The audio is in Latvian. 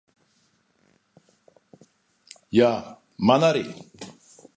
Jā, man arī.